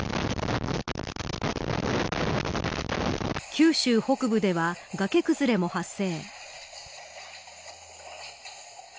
九州北部では崖崩れも発生。